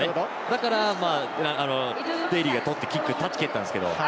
だから、デイリーがキック、タッチ蹴ったんですけど。